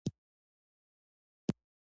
دا سمندر تیل او ګاز لري.